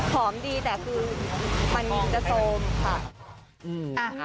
ดีแต่คือมันจะโซมค่ะ